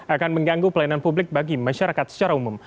akan mengganggu pelayanan publik bagi masyarakat secara umum